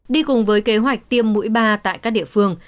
đi cùng với kế hoạch tiêm mũi ba tại các địa phương